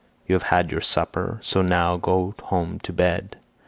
You have had your supper, so now go home to bed.